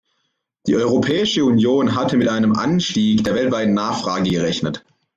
Die Europäische Union hatte mit einem Anstieg der weltweiten Nachfrage gerechnet.